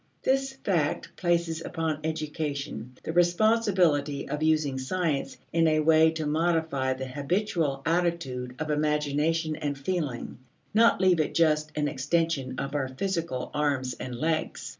This fact places upon education the responsibility of using science in a way to modify the habitual attitude of imagination and feeling, not leave it just an extension of our physical arms and legs.